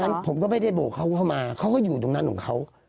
ผมก็ไม่ได้โบกเขาเข้ามาเขาก็อยู่ตรงนั้นของเขา